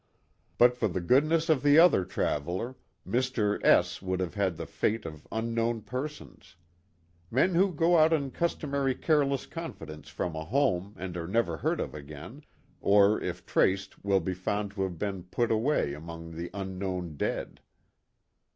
But for the goodness of the other traveler Mr. S would have had the fate of "unknown persons"; men who go out in cus tomary careless confidence from a home and are never heard of again or if traced will be found to have been put away among the unknown dead.